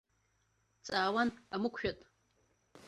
Дҵаауан амықәшәатә.